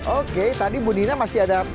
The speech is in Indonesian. oke tadi bu dina masih ada